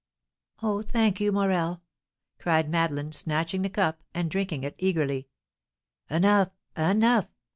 "Oh, thank you, Morel!" cried Madeleine, snatching the cup, and drinking it eagerly. "Enough! enough!